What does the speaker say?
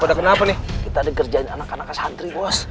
pada kenapa nih kita dikerjain anak anak asantri bos